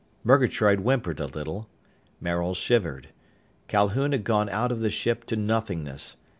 Murgatroyd whimpered a little. Maril shivered. Calhoun had gone out of the ship to nothingness.